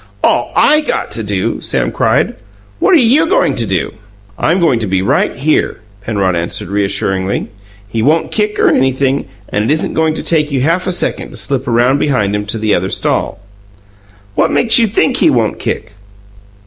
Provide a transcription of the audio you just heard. "All I got to do!" Sam cried. "What are you goin' to do?" "I'm goin' to be right here," Penrod answered reassuringly. "He won't kick or anything, and it isn't goin' to take you half a second to slip around behind him to the other stall." "What makes you think he won't kick?"